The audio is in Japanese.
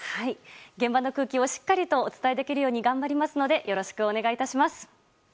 現場の空気をしっかりとお伝えできるように頑張りますのでよろしくお願いいたします。